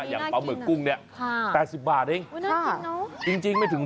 อย่างปลาหมึกกุ้งเนี่ย๘๐บาทเองไม่ถึง